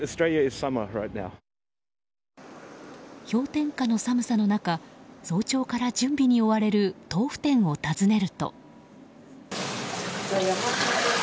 氷点下の寒さの中早朝から準備に追われる豆腐店を訪ねると。